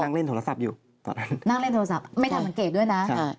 นั่งเล่นโทรศัพท์อยู่ตอนนั้น